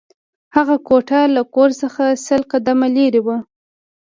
هغه کوټه له کور څخه سل قدمه لېرې وه